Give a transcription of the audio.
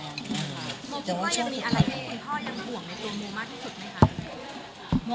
โมคิดว่ายังมีอะไรที่คุณพ่อยังห่วงในตัวโมมากที่สุดไหมคะ